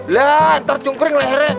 lha entar cungkring lehernya